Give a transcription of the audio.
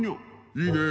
「いいねえ。